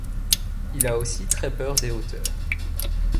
Il a aussi très peur des hauteurs.